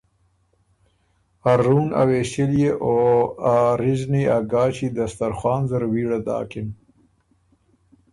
ا رُون ا وېݭِليې او ا ریزنی ا ګاچی دسترخوان زر ویړه داکِن۔